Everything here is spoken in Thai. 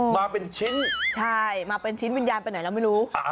มาเป็นชิ้นใช่มาเป็นชิ้นวิญญาณไปไหนเราไม่รู้